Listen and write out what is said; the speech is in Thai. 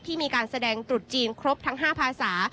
มีการแสดงตรุษจีนครบทั้ง๕ภาษา